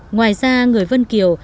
ngoài ra người vân kiều